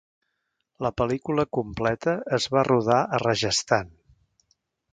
La pel·lícula completa es va rodar a Rajasthan.